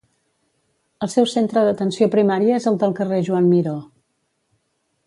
El seu Centre d'atenció primària és el del carrer Joan Miró.